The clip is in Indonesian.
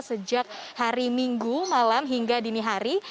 sejak hari minggu malam hingga dini hari